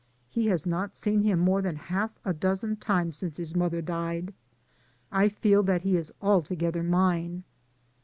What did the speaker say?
He has not seen him more than half a dozen times since his mother died. I feel that he is altogether mine.